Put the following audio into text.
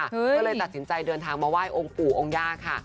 ก็เลยตัดสินใจเดินทางมาไหว้องค์ปู่องค์ย่าค่ะ